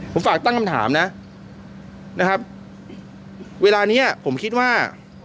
ผมฝากตั้งคำถามนะนะครับเวลานี้ผมคิดว่า